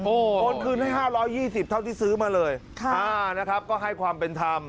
โอนคืนให้๕๒๐เท่าที่ซื้อมาเลยค่ะอ่านะครับก็ให้ความเป็นธรรม